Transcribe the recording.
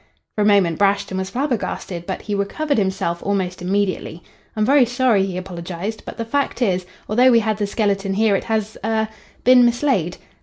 "For a moment Brashton was flabbergasted, but he recovered himself almost immediately. 'I'm very sorry,' he apologised, 'but the fact is, although we had the skeleton here it has er been mislaid.'